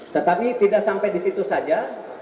tetapi tidak sampai di situ saja